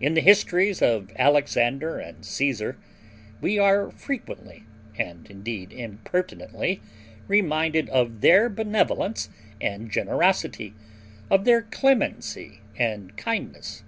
In the histories of Alexander and Caesar we are frequently, and indeed impertinently, reminded of their benevolence and generosity, of their clemency and kindness.